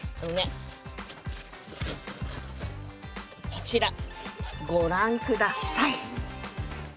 こちらご覧下さい。